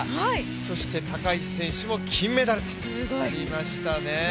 そして高市選手も金メダル取りましたね。